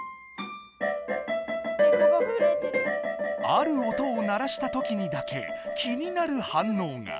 ある音を鳴らしたときにだけ気になるはんのうが。